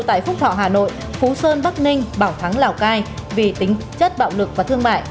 tại phúc thọ hà nội phú sơn bắc ninh bảo thắng lào cai vì tính chất bạo lực và thương mại